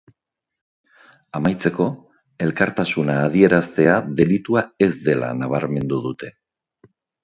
Amaitzeko, elkartasuna adieraztea delitua ez dela nabarmendu dute.